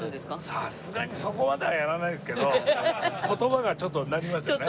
さすがにそこまではやらないですけど言葉がちょっとなりますよね。